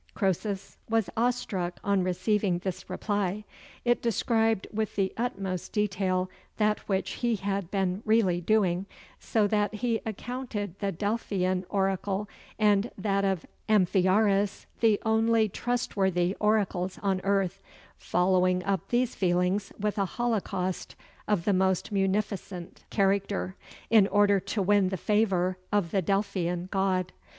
Croesus was awe struck on receiving this reply. It described with the utmost detail that which he had been really doing, so that he accounted the Delphian oracle and that of Amphiaraus the only trustworthy oracles on earth following up these feelings with a holocaust of the most munificent character, in order to win the favor of the Delphian god.